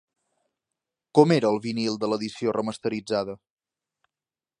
Com era el vinil de l'edició remasteritzada?